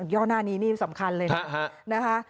่อหน้านี้นี่สำคัญเลยนะคะ